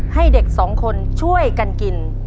ให้เด็กสองคนช่วยกันกิน